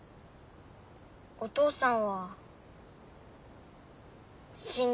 お父さんは死んだ。